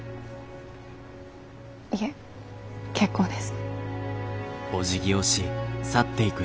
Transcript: いえ結構です。